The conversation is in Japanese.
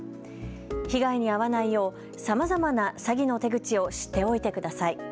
被害に遭わないようさまざまな詐欺の手口を知っておいてください。